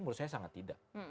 menurut saya sangat tidak